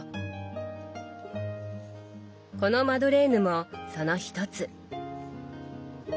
このマドレーヌもその一つ。